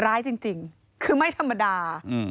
ร้ายจริงคือไม่ธรรมดา